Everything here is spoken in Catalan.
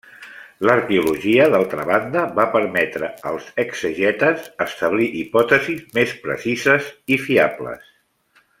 L'arqueologia, d'altra banda, va permetre als exegetes establir hipòtesis més precises i fiables.